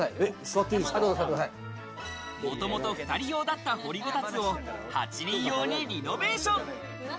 もともと２人用だった掘りごたつを８人用にリノベーション。